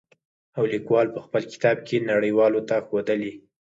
او ليکوال په خپل کتاب کې نړۍ والو ته ښودلي.